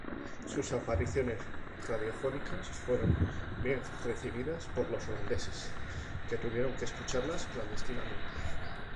Sus apariciones radiofónicas fueron bien recibidas por los holandeses, que tuvieron que escucharlas clandestinamente.